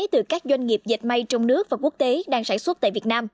từ các doanh nghiệp dệt may trong nước và quốc tế đang sản xuất tại việt nam